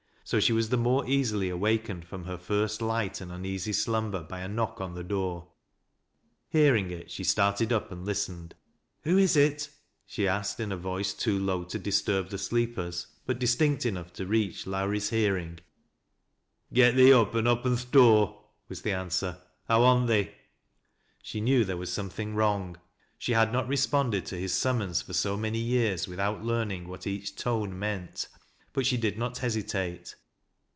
So she was the more easily awakened from her first light and uneasy slumber by a knock on the door. Hearing it, she started up and listened. " Who is it ?" she asked in a voice too low to disturb the sleepers, but distinct enough to reach Lowrie's hear ing. " Get thee up an' oppen th door," was the answer. " 1 want thee." She knew there was something wrong. She had not responded .to his summons for so many years without learning what each tone meant. But she did not hesitate.